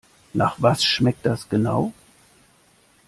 Nach was schmeckt das genau?